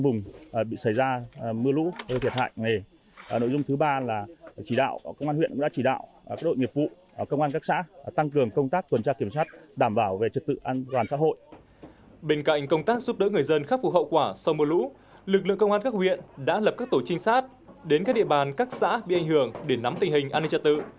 bên cạnh công tác giúp đỡ người dân khắc phục hậu quả sau mưa lũ lực lượng công an các huyện đã lập các tổ trinh sát đến các địa bàn các xã bị ảnh hưởng để nắm tình hình an ninh trật tự